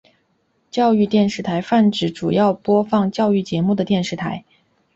教育电视台泛指主要播放教育节目的电视台。